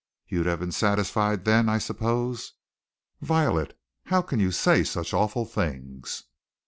You'd have been satisfied then, I suppose?" "Violet! how can you say such awful things!"